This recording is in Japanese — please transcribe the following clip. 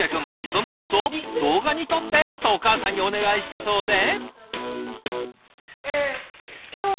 その様子を「動画に撮って！」とお母さんにお願いしたそうで。